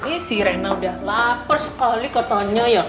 ih si rena udah lapar sekali katanya ya